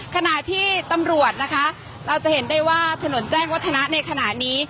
ขณะที่ตำรวจนะคะเราจะเห็นได้ว่าถนนแจ้งวัฒนะในขณะนี้